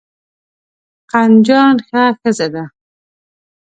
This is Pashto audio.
قندجان ښه ښځه ده.